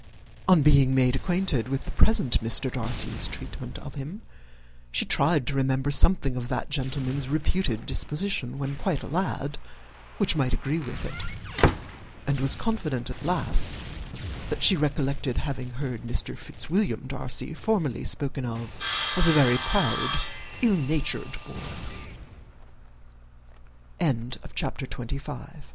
On being made acquainted with the present Mr. Darcy's treatment of him, she tried to remember something of that gentleman's reputed disposition, when quite a lad, which might agree with it; and was confident, at last, that she recollected having heard Mr. Fitzwilliam Darcy formerly spoken of as a very proud, ill natured boy. [Illustration: "Will you come and see me?" ] CHAPTER XXVI. [Illustrat